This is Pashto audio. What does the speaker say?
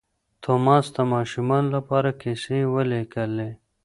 توماس د ماشومانو لپاره کیسې ولیکلې.